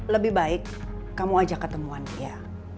lebih baik kamu ajak ketemuan dia